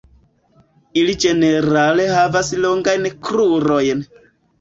Ili ĝenerale havas longajn krurojn.